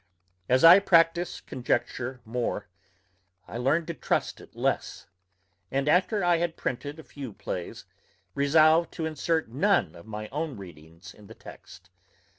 As I practised conjecture more, I learned to trust it less; and after I had printed a few plays, resolved to insert none of my own readings in the text.